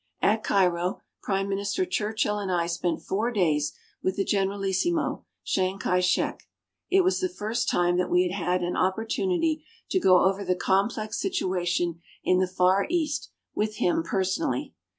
At Cairo, Prime Minister Churchill and I spent four days with the Generalissimo, Chiang Kai shek. It was the first time that we had an opportunity to go over the complex situation in the Far East with him personally.